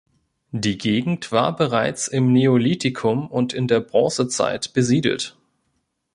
Die Gegend war bereits im Neolithikum und in der Bronzezeit besiedelt.